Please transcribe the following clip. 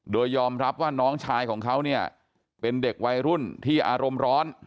โดยยอมรับว่าน้องชายของเขาเนี่ยเป็นเด็กวัยรุ่นที่อารมณ์ร้อน